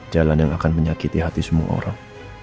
jalan yang akan menyakiti hati semua orang